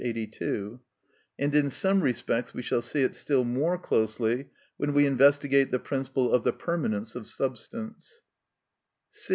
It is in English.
82), and in some respects we shall see it still more closely when we investigate the principle of the permanence of substance.